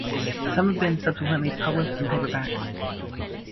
Some have been subsequently published in paperback.